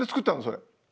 それ。